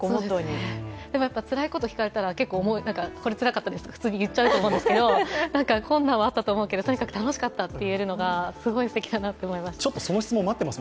でもつらいことを聞かれたら、これつらかったですと普通に言っちゃうと思うんですけど困難はあったと思うけど、とにかく楽しかったと言えるのが、すごいすてきだなと思います。